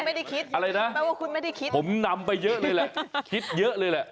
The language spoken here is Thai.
ไม่ได้คิดอะไรนะแปลว่าคุณไม่ได้คิดผมนำไปเยอะเลยแหละคิดเยอะเลยแหละ